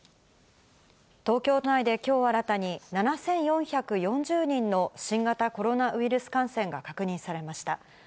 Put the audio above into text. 東京都内できょう新たに、７４４０人の新型コロナウイルス感染が確認されました。